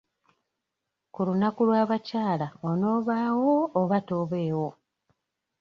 Ku lunaku lw'abakyala onaabaawo oba tobeewo?